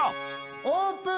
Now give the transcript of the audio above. オープン。